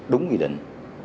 đúng quy định